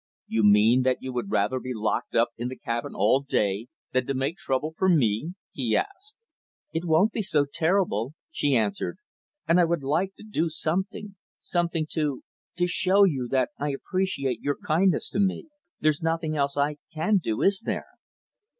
"You mean that you would rather be locked up in the cabin all day, than to make trouble for me?" he asked. "It wouldn't be so terrible," she answered, "and I would like to do something something to to show you that I appreciate your, kindness to me. There's nothing else I can do, is there?"